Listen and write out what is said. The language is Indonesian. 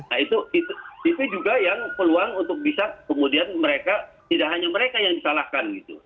nah itu juga yang peluang untuk bisa kemudian mereka tidak hanya mereka yang disalahkan gitu